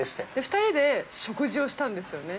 ◆２人で食事をしたんですよね。